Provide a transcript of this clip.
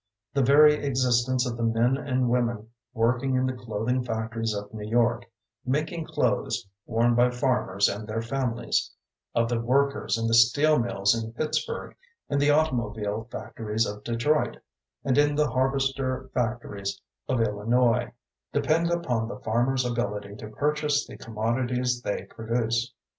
The very existence of the men and women working in the clothing factories of New York, making clothes worn by farmers and their families; of the workers in the steel mills in Pittsburgh, in the automobile factories of Detroit, and in the harvester factories of Illinois, depend upon the farmers' ability to purchase the commodities they produce.